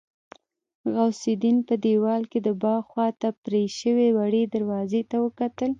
غوث الدين په دېوال کې د باغ خواته پرې شوې وړې دروازې ته وکتل.